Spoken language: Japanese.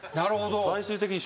最終的に。